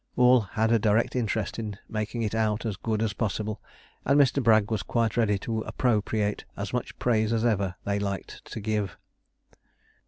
All had a direct interest in making it out as good as possible, and Mr. Bragg was quite ready to appropriate as much praise as ever they liked to give.